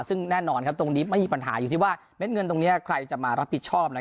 ซึ่งแน่นอนตรงนี้ไม่มีปัญหาอยู่ที่ว่าเม็ดเงินตรงนี้ใครจะมารับผิดชอบ